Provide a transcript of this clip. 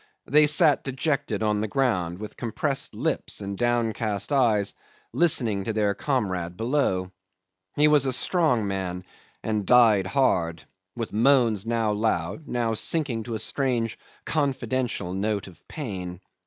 They sat dejected on the ground with compressed lips and downcast eyes, listening to their comrade below. He was a strong man and died hard, with moans now loud, now sinking to a strange confidential note of pain.